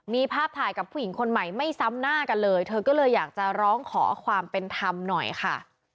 มีภาพถ่ายกับผู้หญิงคนใหม่ไม่ซ้ำหน้ากันเลยเธอก็เลยอยากจะร้องขอความเป็นธรรมหน่อยค่ะ